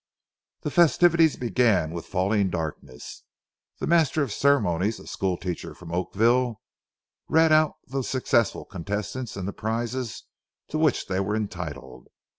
The festivities began with falling darkness. The master of ceremonies, a school teacher from Oakville, read out the successful contestants and the prizes to which they were entitled.